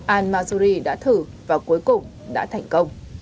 al mazuri đã thử và cuối cùng đã thành công